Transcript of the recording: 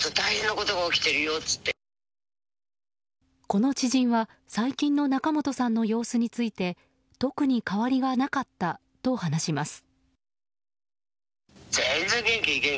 この知人は最近の仲本さんの様子について特に変わりはなかったと話します。